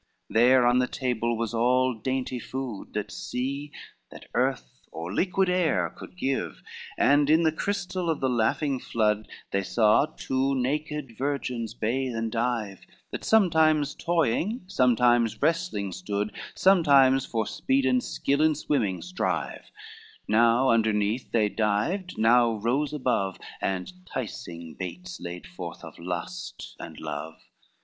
LVIII There on a table was all dainty food That sea, that earth, or liquid air could give, And in the crystal of the laughing flood They saw two naked virgins bathe and dive, That sometimes toying, sometimes wrestling stood, Sometimes for speed and skill in swimming strive, Now underneath they dived, now rose above, And ticing baits laid forth of lust and love.